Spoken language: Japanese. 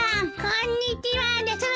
こんにちはです。